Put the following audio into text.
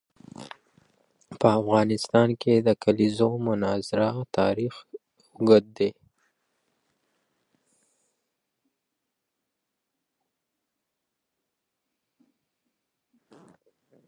په افغانستان کې د د کلیزو منظره تاریخ اوږد دی.